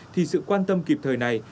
thì sự quan tâm kịp thời này